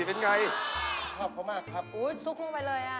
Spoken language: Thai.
เฮ่ยเป็นไงชอบเขามากครับสกลงไปเลย